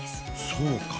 そうか。